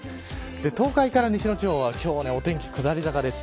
東海から西の地方は今日はお天気下り坂です。